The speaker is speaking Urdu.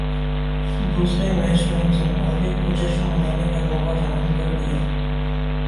دوسرے میچ میں زمبابوے کو جشن منانے کا موقع فراہم کردیا